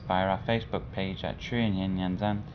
via our facebook page at truyền hình nhân dân